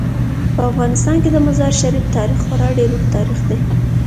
په افغانستان کې د مزارشریف تاریخ خورا ډیر اوږد تاریخ دی.